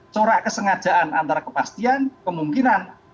corak kesengajaan antara kepastian kemungkinan